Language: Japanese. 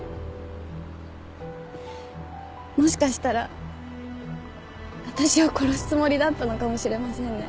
もしかしたら私を殺すつもりだったのかもしれませんね。